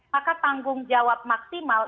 maka tanggung jawab maksimal